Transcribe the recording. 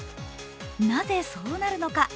なぜ、そうなるのか。